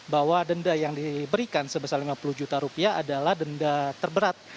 bahwa denda yang diberikan sebesar lima puluh juta rupiah adalah denda terberat